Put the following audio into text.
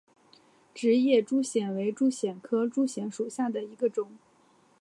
直叶珠藓为珠藓科珠藓属下的一个种。